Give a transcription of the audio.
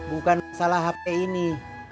bukan masalah hp ini